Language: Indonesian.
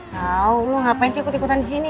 tau lo ngapain sih ikut ikutan disini